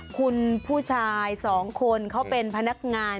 คุณผู้ชายสองคนเขาเป็นพนักงาน